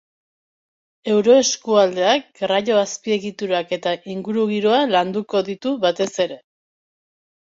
Euroeskualdeak garraio azpiegiturak eta ingurugiroa landuko ditu batez ere.